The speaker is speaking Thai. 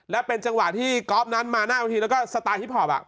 และเป็นจังหวะที่ก๊อฟนั้นมาหน้าเวทีแล้วก็สไตลฮิปพอป